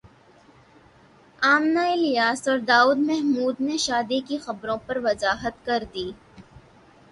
منہ الیاس اور داور محمود نے شادی کی خبروں پر وضاحت کردی